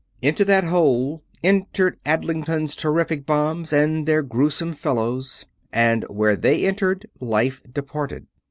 Into that hole entered Adlington's terrific bombs and their gruesome fellows, and where they entered, life departed.